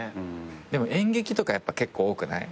でも演劇とか結構多くない？